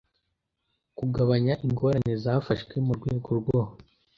kugabanya ingorane zafashwe mu rwego rwo